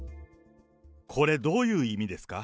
これどういう意味ですか？